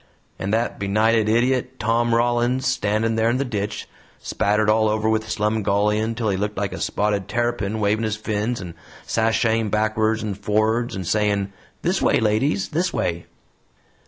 And that benighted idiot, Tom Rollins, standin' there in the ditch, spattered all over with slumgullion 'til he looked like a spotted tarrypin, wavin' his fins and sashaying backwards and forrards and sayin', 'This way, ladies; this way!'"